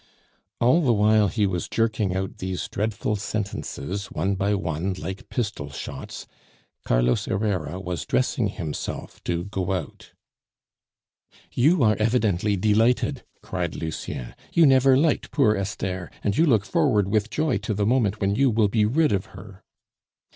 All the while he was jerking out these dreadful sentences, one by one, like pistol shots, Carlos Herrera was dressing himself to go out. "You are evidently delighted," cried Lucien. "You never liked poor Esther, and you look forward with joy to the moment when you will be rid of her."